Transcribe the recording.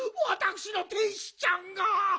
わたくしの天使ちゃんが！